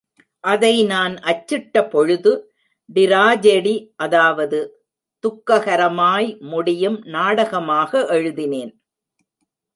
அதை நான் அச்சிட்ட பொழுது டிராஜெடி அதாவது துக்ககரமாய் முடியும் நாடகமாக எழுதினேன்.